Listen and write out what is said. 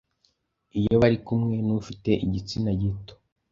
iyo bari kumwe n’ufite igitsina gito.